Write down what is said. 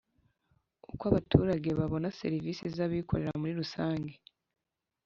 Uko abaturage babona serivisi z’abikorera muri rusange